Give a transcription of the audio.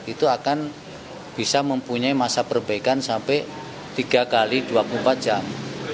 itu akan bisa mempunyai masa perbaikan sampai tiga x dua puluh empat jam